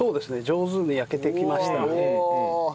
上手に焼けてきました。